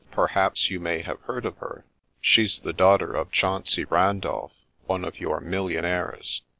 Per haps you may have heard of her. She's the daugh ter of Chauncey Randolph, one of your millionaires.